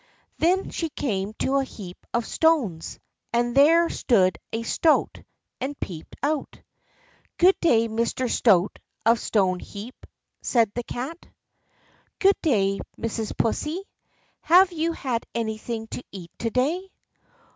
Then she came to a heap of stones, and there stood a stoat and peeped out. "Good day, Mr. Stoat of Stoneheap," said the Cat. "Good day, Mrs. Pussy; have you had anything to eat to day?"